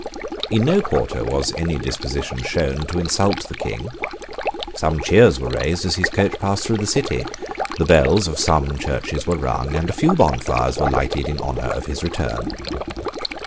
In no quarter was any disposition shown to insult the King. Some cheers were raised as his coach passed through the City. The bells of some churches were rung; and a few bonfires were lighted in honour of his return.